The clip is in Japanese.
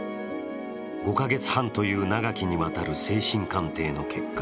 ５か月半という長きにわたる精神鑑定の結果